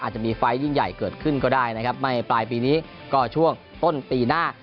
จะมีไฟล์ยิ่งใหญ่เกิดขึ้นก็ได้นะครับไม่ปลายปีนี้ก็ช่วงต้นปีหน้า